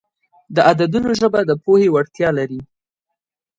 د عددونو ژبه د پوهې وړتیا لري.